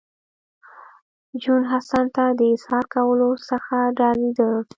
جون حسن ته د اظهار کولو څخه ډارېده